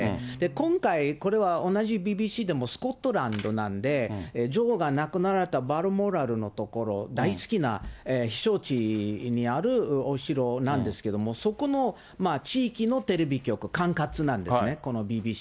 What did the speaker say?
今回、これは同じＢＢＣでもスコットランドなんで、女王が亡くなられたバルモラルの所、大好きな避暑地にあるお城なんですけども、そこの地域のテレビ局、管轄なんですね、このＢＢＣが。